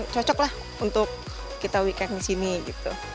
cocoklah untuk kita weekend di sini